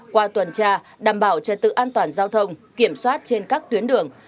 qua tuần tra đảm bảo trật tự an toàn giao thông kiểm soát trên các tuyến đường